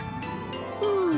うん！